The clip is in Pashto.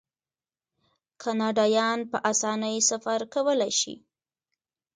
کاناډایان په اسانۍ سفر کولی شي.